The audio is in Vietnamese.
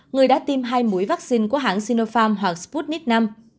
người đã tiêm hai mũi vaccine của hãng sinopharm hoặc sputnik v